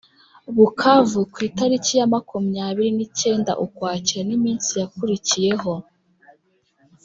bukavu ku itariki ya makumyabiri ni cyenda ukwakira n'iminsi yakurikiyeho